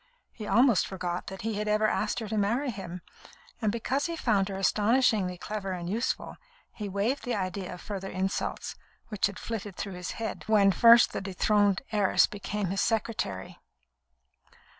He almost forgot that he had ever asked her to marry him; and because he found her astonishingly clever and useful, he waived the idea of further insults which had flitted through his head when first the dethroned heiress became his secretary.